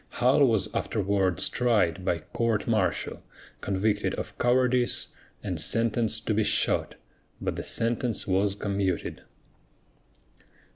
Hull was afterwards tried by court martial, convicted of cowardice, and sentenced to be shot, but the sentence was commuted.